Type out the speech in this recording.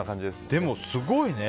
でも、すごいね。